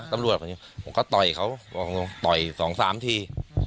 ตำรวจผมก็ต่อยเขาต่อยสองสามที